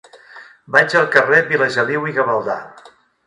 Vaig al carrer de Vilageliu i Gavaldà.